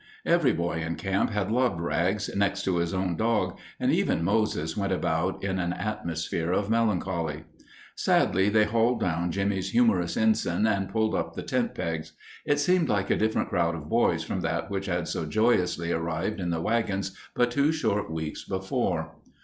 Every boy in camp had loved Rags next to his own dog, and even Moses went about in an atmosphere of melancholy. Sadly they hauled down Jimmie's humorous ensign and pulled up the tent pegs. It seemed like a different crowd of boys from that which had so joyously arrived in the wagons but two short weeks before.